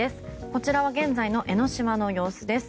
こちらは現在の江の島の様子です。